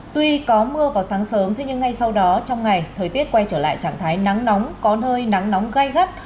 tuy có mưa vào sáng sớm thế nhưng ngay sau đó trong ngày thời tiết quay trở lại trạng thái nắng nóng có nơi nắng nóng gai gắt